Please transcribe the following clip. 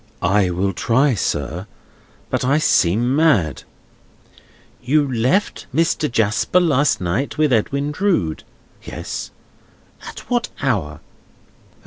"I will try, sir, but I seem mad." "You left Mr. Jasper last night with Edwin Drood?" "Yes." "At what hour?"